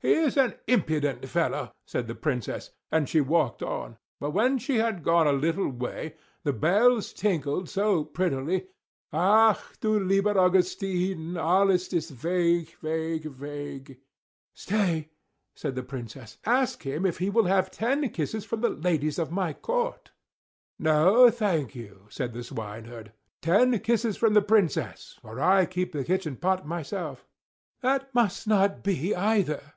"He is an impudent fellow!" said the Princess, and she walked on; but when she had gone a little way, the bells tinkled so prettily "Ach! du lieber Augustin, Alles ist weg, weg, weg!" "Stay," said the Princess. "Ask him if he will have ten kisses from the ladies of my court." "No, thank you!" said the swineherd. "Ten kisses from the Princess, or I keep the kitchen pot myself." "That must not be, either!"